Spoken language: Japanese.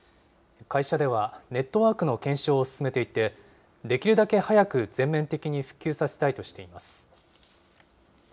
会社ではネットワークの検証を進めていて、できるだけ早く全面的に復旧させたいとしています。